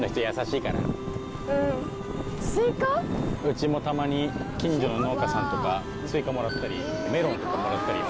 うちもたまに近所の農家さんとかスイカもらったりメロンとかもらったり。